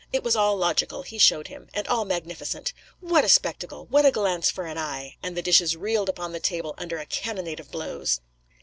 It was all logical, he showed him; and all magnificent. 'What a spectacle! What a glance for an eye!' And the dishes reeled upon the table under a cannonade of blows.